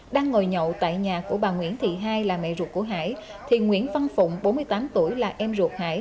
đang ngồi nhậu tại nhà của bà nguyễn thị hai là mẹ ruột của hải thì nguyễn văn phụng bốn mươi tám tuổi là em ruột hải